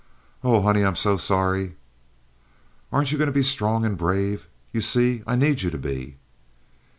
"Oh, honey, I'm so sorry." "Aren't you going to be strong and brave? You see, I need you to be."